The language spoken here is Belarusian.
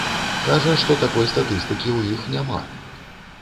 Кажа, што такой статыстыкі ў іх няма.